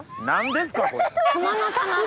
何ですか？